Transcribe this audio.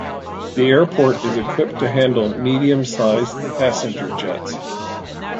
The airport is equipped to handle medium-sized passenger jets.